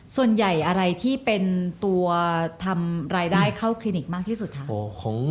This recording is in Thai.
ส่วนใหญ่อะไรที่เป็นตัวทำรายได้เข้าคลินิกมากที่สุดคะ